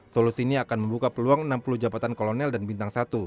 solusi ini akan membuka peluang enam puluh jabatan kolonel dan bintang satu